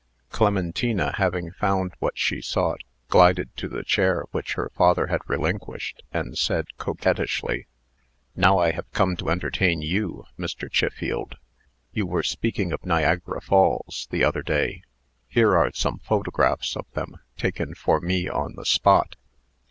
Clementina, having found what she sought, glided to the chair which her father had relinquished, and said, coquettishly, "Now I have come to entertain you, Mr. Chiffield. You were speaking of Niagara Falls, the other day. Here are some photographs of them, taken for me on the spot."